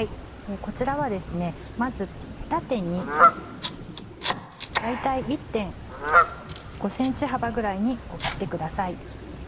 こちらはまず縦に大体１．５ｃｍ幅ぐらいに切ってください。